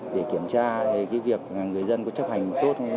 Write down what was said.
để kiểm tra việc người dân có chấp hành tốt